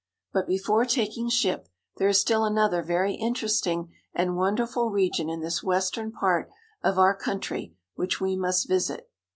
But before taking ship, there is still another very interest ing and wonderful region in this western part of our coun try which we must visit.